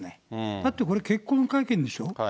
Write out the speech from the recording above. だってこれ、結婚の会見でしょ。